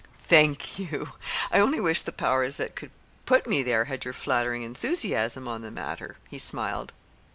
"Thank you! I only wish the powers that could put me there had your flattering enthusiasm on the matter," he smiled.